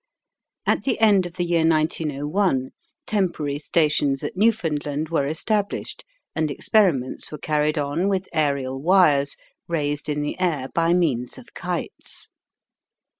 At the end of the year 1901 temporary stations at Newfoundland were established and experiments were carried on with aerial wires raised in the air by means of kites.